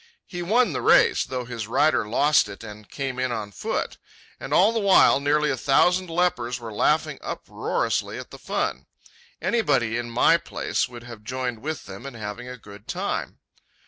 He won the race, though his rider lost it and came in on foot. And all the while nearly a thousand lepers were laughing uproariously at the fun. Anybody in my place would have joined with them in having a good time.